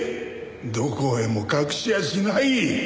どこへも隠しやしない。